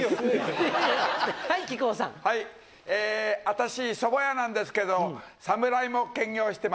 私そば屋なんですけど侍も兼業してます。